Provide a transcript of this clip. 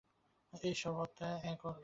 এই সর্বগ আত্মা এক ও অদ্বিতীয়।